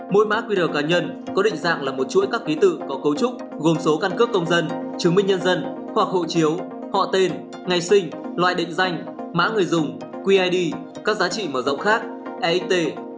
mỗi mã qr cá nhân có định dạng là một chuỗi các ký tự có cấu trúc gồm số căn cước công dân chứng minh nhân dân hoặc hộ chiếu họ tên ngày sinh loại định danh mã người dùng qid các giá trị mở rộng khác ai tê